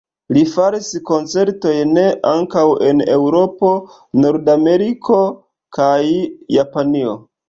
Li faris koncertojn ankaŭ en Eŭropo, Nord-Ameriko kaj Japanio.